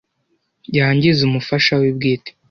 Yangize umufasha we bwite.